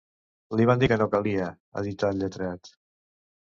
“Li van dir que no calia”, ha dit el lletrat.